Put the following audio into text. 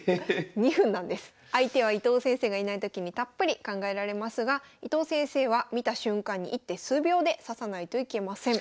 相手は伊藤先生がいない時にたっぷり考えられますが伊藤先生は見た瞬間に１手数秒で指さないといけません。